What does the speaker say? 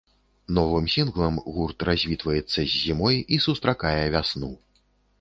Новым сінглам гурт развітваецца з зімой і сустракае вясну.